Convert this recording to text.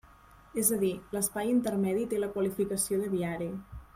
És a dir, l'espai intermedi té la qualificació de viari.